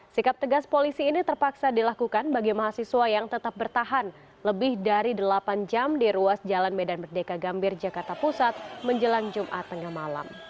sikap tegas polisi ini terpaksa dilakukan bagi mahasiswa yang tetap bertahan lebih dari delapan jam di ruas jalan medan merdeka gambir jakarta pusat menjelang jumat tengah malam